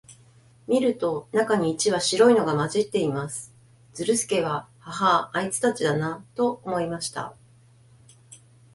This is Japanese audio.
見ると、中に一羽白いのが混じっています。ズルスケは、ハハア、あいつたちだな、と思いました。